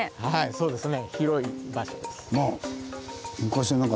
そうですね。